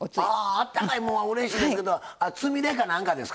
あったかいもんはうれしいんですけどつみれかなんかですか？